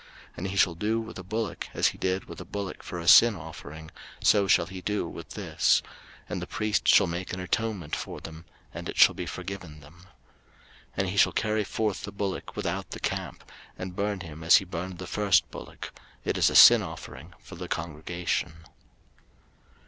03:004:020 And he shall do with the bullock as he did with the bullock for a sin offering, so shall he do with this: and the priest shall make an atonement for them, and it shall be forgiven them. 03:004:021 And he shall carry forth the bullock without the camp, and burn him as he burned the first bullock: it is a sin offering for the congregation.